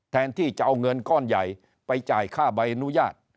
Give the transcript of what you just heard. แทนที่จะเอาเงินก้อนใหญ่ไปจ่ายค่าใบอนุญาต